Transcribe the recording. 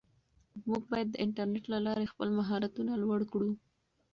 موږ باید د انټرنیټ له لارې خپل مهارتونه لوړ کړو.